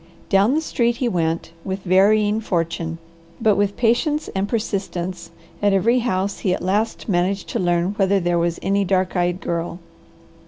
Down the street he went, with varying fortune, but with patience and persistence at every house he at last managed to learn whether there was a dark eyed girl.